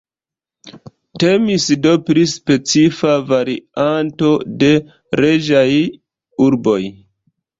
Temis do pri specifa varianto de reĝaj urboj.